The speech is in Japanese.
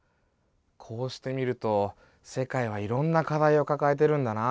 こうしてみると世界はいろんな課題をかかえてるんだなあ。